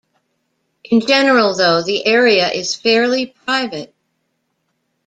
In general, though, the area is fairly private.